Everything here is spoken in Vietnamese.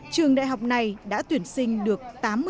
trường đại học này đã tuyển sinh được tám mươi